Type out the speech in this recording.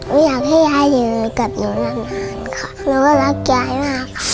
ไม่อยากให้ยายอยู่กับหนูนานค่ะหนูก็รักยายมากค่ะ